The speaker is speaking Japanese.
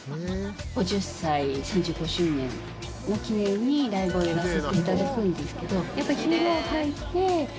５０歳３５周年の記念にライブをやらせて頂くんですけど。